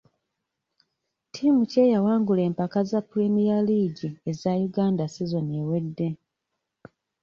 Ttiimu ki eyawangula empaka za pulimiya liigi eza Uganda sizoni ewedde.